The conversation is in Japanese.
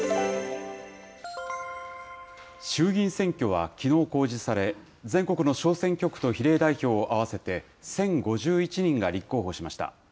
衆議院選挙はきのう公示され、全国の小選挙区と比例代表を合わせて、１０５１人が立候補しました。